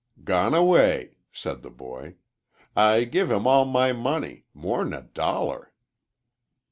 "Gone away," said the boy. "I give him all my money more'n a dollar."